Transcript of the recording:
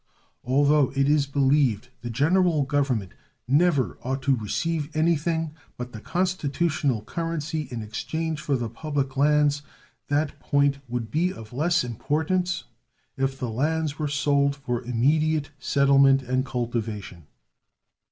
Although it is believed the General Government never ought to receive anything but the constitutional currency in exchange for the public lands, that point would be of less importance if the lands were sold for immediate settlement and cultivation.